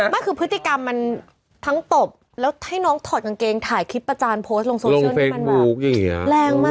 ไม่คือพฤติกรรมมันทั้งตบแล้วให้น้องถอดกางเกงถ่ายคลิปประจานโพสต์ลงโซเชียลนี่มันแบบแรงมาก